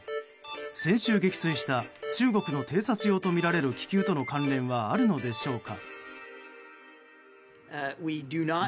先週、撃墜した中国の偵察用とみられる気球との関連はあるのでしょうか。